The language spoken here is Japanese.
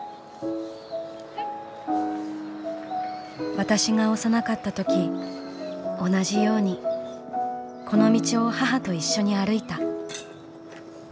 「私が幼かった時同じようにこの道を母と一緒に歩いた。